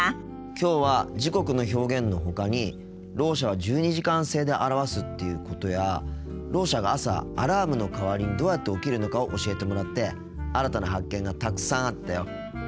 きょうは時刻の表現のほかにろう者は１２時間制で表すっていうことやろう者が朝アラームの代わりにどうやって起きるのかを教えてもらって新たな発見がたくさんあったよ。